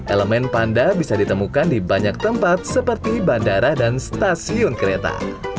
elemen panda bisa ditemukan di banyak tempat seperti bandara dan stasiun kereta